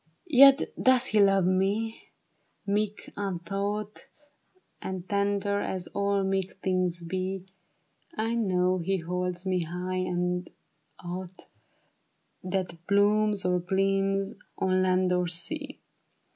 121 " Yet does he love me ; meek, untaught, And tender as all meek things be, I know he holds me high as aught That blooms or gleams on land or sea.